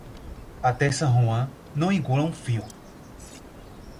Até San Juan, não engula um fio.